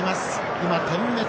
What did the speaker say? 今、点滅。